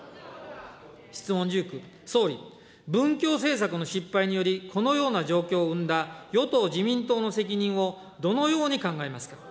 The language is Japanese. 質問１９、総理、文教政策の失敗により、このような状況を生んだ与党・自民党の責任をどのように考えますか。